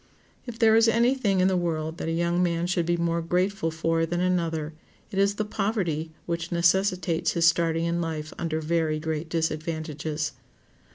If there is any thing in the world that a young man should be more grateful for than another, it is the poverty which necessitates his starting in life under very great disadvantages.